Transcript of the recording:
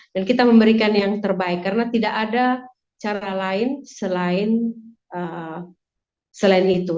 dan kita memberikan yang terbaik karena tidak ada cara lain selain itu